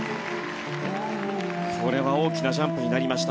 これは大きなジャンプになりました。